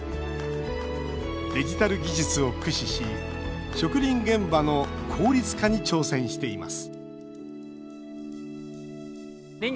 デジタル技術を駆使し植林現場の効率化に挑戦しています